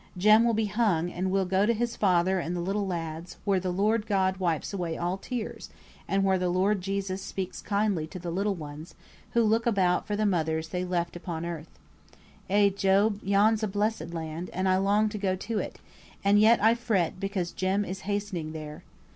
Jem will be hung, and will go to his father and the little lads, where the Lord God wipes away all tears, and where the Lord Jesus speaks kindly to the little ones, who look about for the mothers they left upon earth. Eh, Job, yon's a blessed land, and I long to go to it, and yet I fret because Jem is hastening there.